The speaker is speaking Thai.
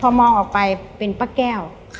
พอมองออกไปเป็นป้าแก้ว